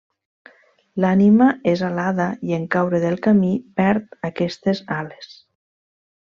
L'ànima és alada i en caure del camí perd aquestes ales.